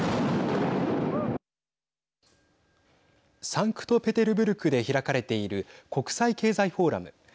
サンクトペテルブルクで開かれている国際経済フォーラム。